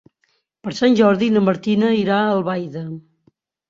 Per Sant Jordi na Martina irà a Albaida.